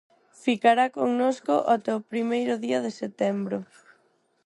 Ficará connosco até o primeiro día de setembro.